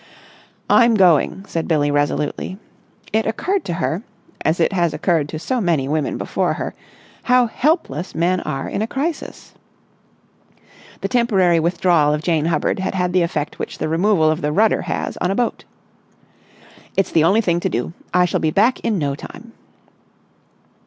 "I'm going," said Billie resolutely. It occurred to her, as it has occurred to so many women before her, how helpless men are in a crisis. The temporary withdrawal of Jane Hubbard had had the effect which the removal of the rudder has on a boat. "It's the only thing to do. I shall be back in no time."